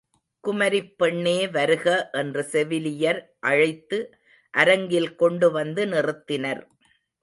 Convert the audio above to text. குமரிப் பெண்ணே வருக என்று செவிலியர் அழைத்து அரங்கில் கொண்டு வந்து நிறுத்தினர்.